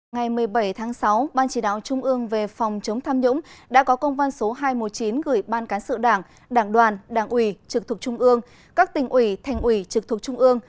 ngày một mươi bảy tháng sáu ban chỉ đạo trung ương về phòng chống tham nhũng đã có công văn số hai trăm một mươi chín gửi ban cán sự đảng đảng đoàn đảng ủy trực thuộc trung ương các tỉnh ủy thành ủy trực thuộc trung ương